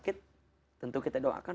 sakit tentu kita doakan